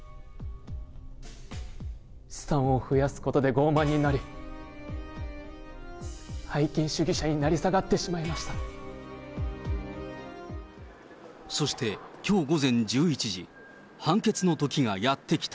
資産を増やすことでごう慢になり、拝金主義者に成り下がってしまいました。